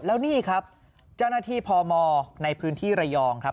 แล้วนี่ครับเจ้าหน้าที่พมในพื้นที่ระยองครับ